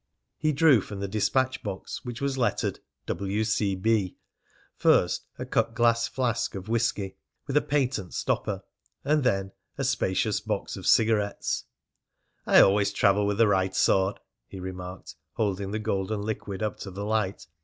He drew from the despatch box, which was lettered "W.C.B.," first a cut glass flask of whisky, with a patent stopper, and then a spacious box of cigarettes. "I always travel with the right sort," he remarked, holding the golden liquid up to the light.